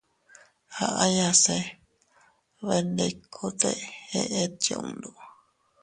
Aʼyase bendikute eʼet yundu.